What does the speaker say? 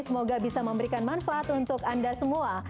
semoga bisa memberikan manfaat untuk anda semua